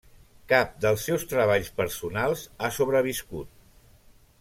Cap dels seus treballs personals ha sobreviscut.